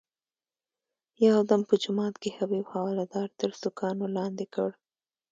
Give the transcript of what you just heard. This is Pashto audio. یو دم په جومات کې حبیب حوالدار تر سوکانو لاندې کړ.